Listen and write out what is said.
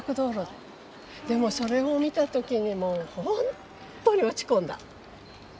でもそれを見た時にもう本当に落ち込んだ。